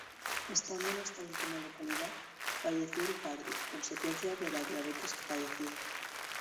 Estando en esta última localidad, falleció el padre, consecuencia de la diabetes que padecía.